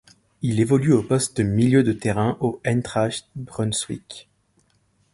Il évolue au poste de milieu de terrain au Eintracht Brunswick.